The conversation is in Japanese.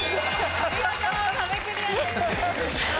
見事壁クリアです。